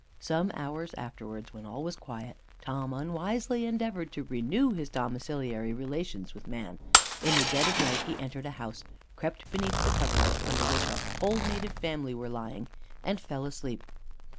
Some hours afterwards, when all was quiet, Tom unwisely endeavoured to renew his domiciliary relations with man. In the dead of the night he entered a house, crept beneath a coverlet, under which a whole native family were lying, and fell asleep.